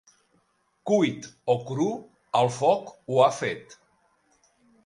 Cuit o cru, el foc ho ha fet.